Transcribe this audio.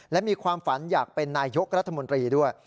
และมีความฝันอยากเป็นนายยกรัฐมนตรีด้วย